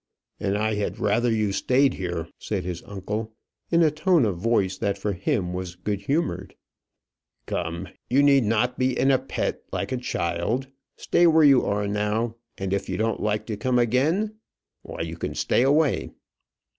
"And I had rather you stayed here," said his uncle, in a tone of voice that for him was good humoured. "Come, you need not be in a pet, like a child. Stay where you are now, and if you don't like to come again, why you can stay away."